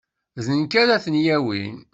D nekk ara ten-yawin.